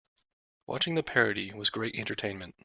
Watching the parody was great entertainment.